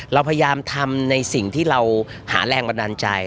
เราพยายามทำในสิ่งที่เราหาแรงบันดาลใจ